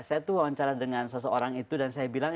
saya tuh wawancara dengan seseorang itu dan saya bilang